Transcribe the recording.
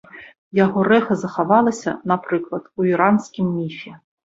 Яго рэха захавалася, напрыклад, у іранскім міфе.